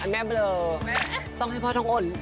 แม่เบลอต้องให้พ่อทองอ่อน